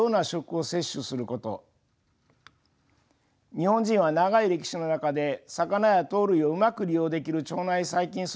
日本人は長い歴史の中で魚や豆類をうまく利用できる腸内細菌そうが定着しています。